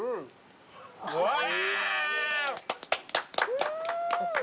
うん！